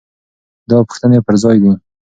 دا پوښتنې پر ځای دي.